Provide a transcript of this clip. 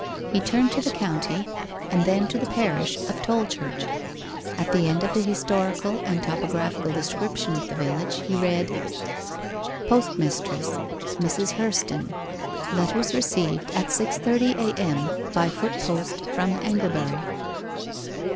He turned to the county, and then to the parish of Tolchurch. At the end of the historical and topographical description of the village he read: 'Postmistress Mrs. Hurston. Letters received at 6.30 A.M. by foot post from Anglebury.